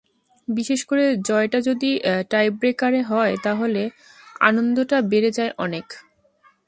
বিশেষ করে জয়টা যদি টাইব্রেকারে হয়, তাহলে আনন্দটা বেড়ে যায় অনেক।